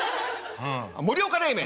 盛岡冷麺。